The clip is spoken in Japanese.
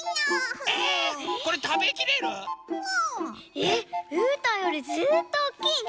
えっうーたんよりずっとおっきいね！